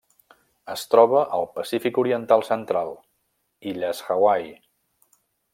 Es troba al Pacífic oriental central: illes Hawaii.